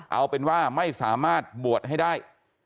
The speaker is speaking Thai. เอาเป็นว่าไม่สามารถบวชให้ได้